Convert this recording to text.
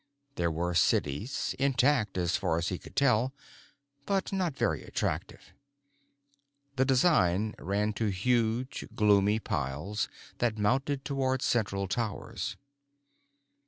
There were cities—intact, as far as he could tell, but not very attractive. The design ran to huge, gloomy piles that mounted toward central towers.